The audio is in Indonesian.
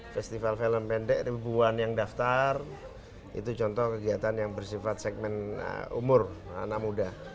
festival film pendek ribuan yang daftar itu contoh kegiatan yang bersifat segmen umur anak muda